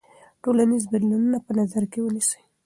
ټولنیز بدلونونه په نظر کې ونیسئ.